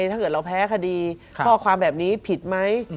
ถ้าเกิดเราแพ้คดีข้อความแบบนี้ผิดไหม